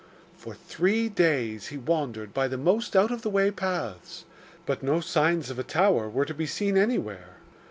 For three days he wandered by the most out of the way paths, but no signs of a tower were to be seen anywhere.